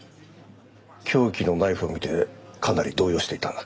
凶器のナイフを見てかなり動揺していた。